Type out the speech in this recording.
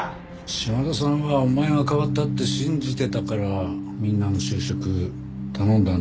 島田さんはお前が変わったって信じてたからみんなの就職頼んだんじゃないのかな？